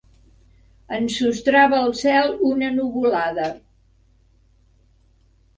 Ensostrava el cel una nuvolada.